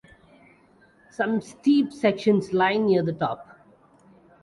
Some steep sections lie near the top.